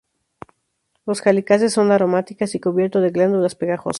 Los cálices son aromáticas y cubierto de glándulas pegajosas.